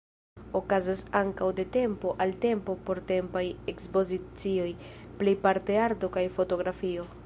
Okazas ankaŭ de tempo al tempo portempaj ekspozicioj, plejparte arto kaj fotografio.